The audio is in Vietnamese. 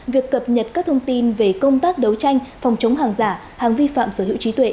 việc cập nhật các thông tin về công tác đấu tranh phòng chống hàng giả hàng vi phạm sở hữu trí tuệ